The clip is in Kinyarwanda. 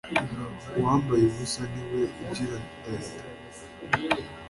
Uwambaye ubusa ni we ugira ndende.